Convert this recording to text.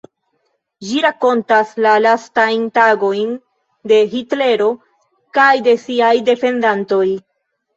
Ĝi rakontas la lastajn tagojn de Hitlero kaj de siaj defendantoj.